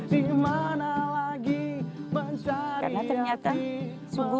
di mana lagi mencari arti melatih kampung sendiri